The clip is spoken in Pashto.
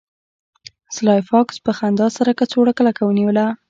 سلای فاکس په خندا سره کڅوړه کلکه ونیوله